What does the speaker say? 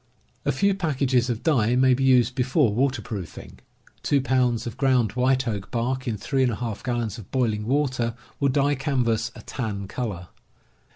A few packages of dye may be used be fore waterproofing. Two pounds of ground white oak bark in 3J gallons of boiling water will dye canvas a tan color.